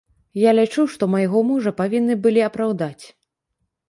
Я лічу, што майго мужа павінны былі апраўдаць.